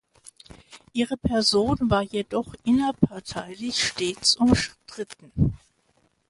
Ihre Person war jedoch innerparteilich stets umstritten.